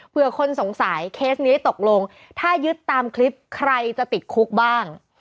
เพื่อคนสงสัยเคสนี้ตกลงถ้ายึดตามคลิปใครจะติดคุกบ้าง